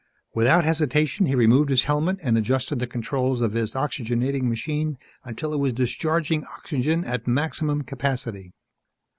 Without hesitation he removed his helmet and adjusted the controls of his oxygenating machine until it was discharging oxygen at maximum capacity.